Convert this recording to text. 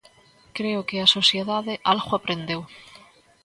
Creo que a sociedade algo aprendeu.